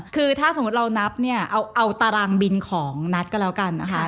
คือถ้าสมมุติเรานับเนี่ยเอาตารางบินของนัทก็แล้วกันนะคะ